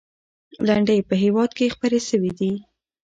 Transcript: لنډۍ په هېواد کې خپرې سوي دي.